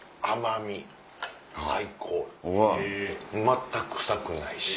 全く臭くないし。